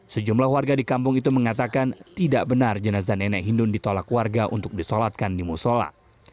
sejumlah warga di kampung itu mengatakan tidak benar jenazah nenek hindun ditolak warga untuk disolatkan di musola